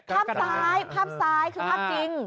ภาพซ้ายคือภาพจริง